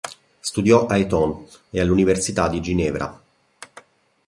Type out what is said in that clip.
Studiò a Eton e all'Università di Ginevra.